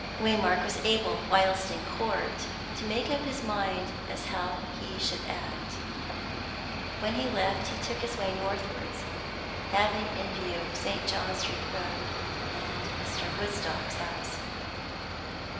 Waymark was able, whilst in court, to make up his mind as to how he should act. When he left he took his way northwards, having in view St. John Street Road, and Mr. Woodstock's house.